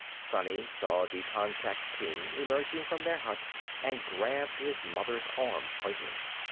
Sonny saw the contact team emerging from their hut and grabbed his mother's arm, pointing.